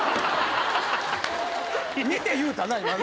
見て言うたな今な。